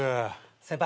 先輩